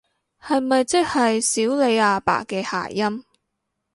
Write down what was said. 係咪即係少理阿爸嘅諧音？